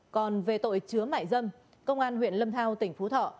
còn về tội chứa mại dâm công an huyện lâm thao tỉnh phú thọ